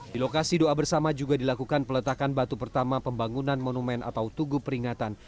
di lokasi doa bersama juga dilakukan peletakan batu pertama pembangunan monumen atau tugu peringatan